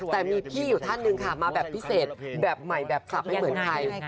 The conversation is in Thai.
แต่มีพี่อยู่ท่านหนึ่งค่ะมาแบบพิเศษแบบใหม่แบบสับไม่เหมือนใคร